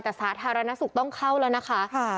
แต่สาธารณสุขต้องเข้าแล้วนะคะ